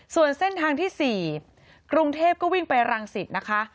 ส่วนเส้นทางที่๔กรุงเทพก็วิ่งไปรังสิตนะคะ